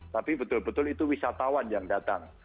tapi betul betul itu wisatawan yang datang